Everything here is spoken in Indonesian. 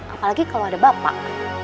apalagi kalo ada bapak